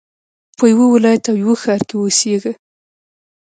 په يوه ولايت او يوه ښار کښي اوسېږه!